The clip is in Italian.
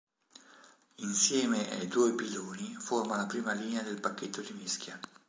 Insieme ai due piloni forma la prima linea del pacchetto di mischia.